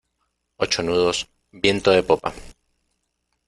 ocho nudos, viento de popa...